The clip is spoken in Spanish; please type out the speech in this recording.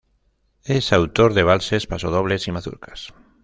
Es autor de valses, pasodobles y mazurcas.